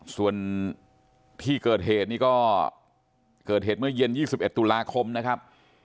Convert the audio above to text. ส่วนที่เกิดเหตุนี่ก็เกิดเหตุเมื่อเย็น๒๑ตุลาคมนะครับ